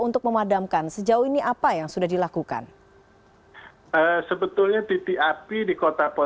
tetapi sebagian sudah datang ke sekolah